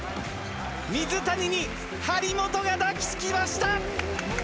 水谷に張本が抱きつきました。